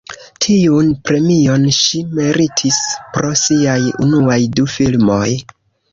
Tiun premion ŝi meritis pro siaj unuaj du filmoj.